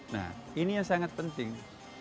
nah ini yang sangat penting